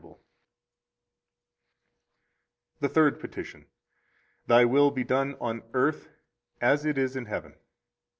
The Third Petition. 59 Thy will be done on earth as it is in heaven.